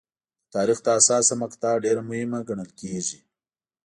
د تاریخ دا حساسه مقطعه ډېره مهمه ګڼل کېږي.